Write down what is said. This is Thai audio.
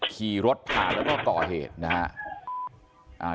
ขี่รถผ่านแล้วก็ก่อเหตุนะครับ